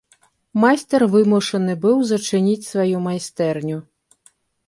Майстар вымушаны быў зачыніць сваю майстэрню.